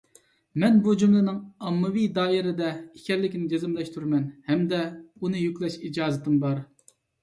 مەن بۇ جۈملىنىڭ ئاممىۋى دائىرە دە ئىكەنلىكىنى جەزملەشتۈرىمەن ھەمدە ئۇنى يۈكلەش ئىجازىتىم بار.